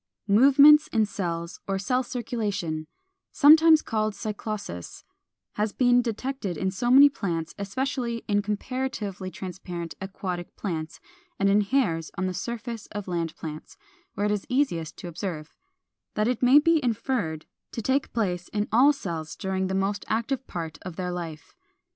] 461. =Movements in Cells=, =or Cell circulation=, sometimes called Cyclosis, has been detected in so many plants, especially in comparatively transparent aquatic plants and in hairs on the surface of land plants (where it is easiest to observe), that it may be inferred to take place in all cells during the most active part of their life.